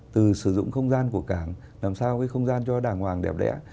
từ sử dụng không gian của cảng làm sao cái không gian cho đàng hoàng đẹp đẽ